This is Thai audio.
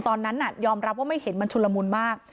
ตอนนั้นยอมรับว่าไม่เห็นมันชุนละมุนมาก